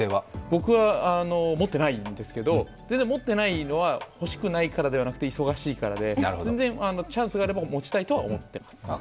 僕は持っていないんですけど、持っていないのは欲しくないからではなくて忙しいからで全然チャンスがあれば持ちたいと思っています。